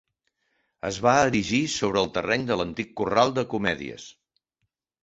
Es va erigir sobre el terreny de l'antic corral de comèdies.